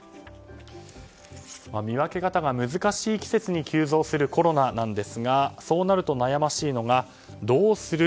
見分け方が難しい季節に急増するコロナですがそうなると悩ましいのがどうする？